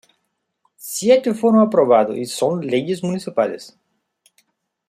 Siete fueron aprobados y son Leyes Municipales.